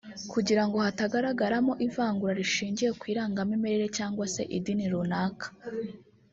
kugira ngo hatagaragaramo ivangura rishingiye ku irangamimerere cyangwa se idini runaka